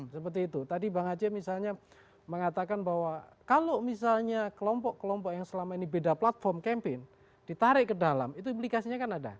seperti itu tadi bang aceh misalnya mengatakan bahwa kalau misalnya kelompok kelompok yang selama ini beda platform campaign ditarik ke dalam itu implikasinya kan ada